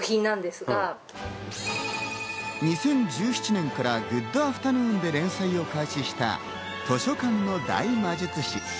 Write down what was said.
２０１７年から『ｇｏｏｄ！アフタヌーン』で連載を開始した『図書館の大魔術師』。